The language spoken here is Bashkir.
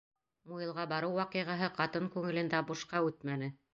Муйылға барыу ваҡиғаһы ҡатын күңелендә бушҡа үтмәне.